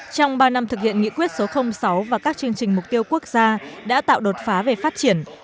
trong ba năm thực hiện nghị quyết số sáu và các chương trình mục tiêu quốc gia đã tạo đột phá về phát triển